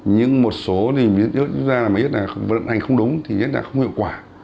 nhưng một số thì lúc ra mà nhất là vận hành không đúng thì nhất là không hiệu quả